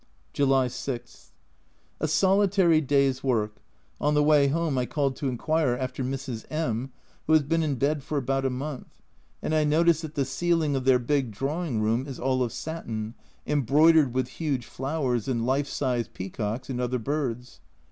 July 6. A solitary day's work on the way home I called to inquire after Mrs. M , who has been in bed for about a month, and I noticed that the ceiling of their big drawing room is all of satin, em broidered with huge flowers and life size peacocks and other birds.